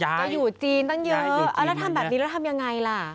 ก็อยู่จีนตั้งเยอะแล้วทำแบบนี้แล้วทำยังไงล่ะ